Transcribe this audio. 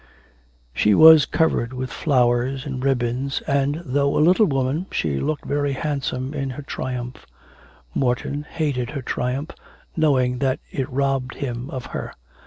She was covered with flowers and ribbons, and, though a little woman, she looked very handsome in her triumph. Morton hated her triumph, knowing that it robbed him of her.